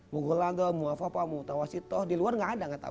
mughal agam mu'afafam mu'tawasitoh di luar nggak ada nggak tahu